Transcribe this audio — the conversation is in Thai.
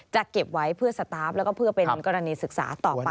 จะเก็บไว้เพื่อสตาฟและก็เพื่อเป็นกรณีศึกษาต่อไปนะครับ